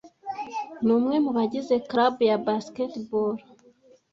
Ni umwe mu bagize club ya basketball.